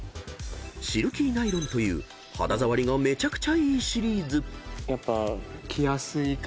［シルキーナイロンという肌触りがめちゃくちゃいいシリーズ］やっぱ。